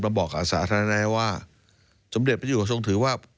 บำบอกกับสาธารณายว่าสมเด็จมันอยู่กับทรงถือว่า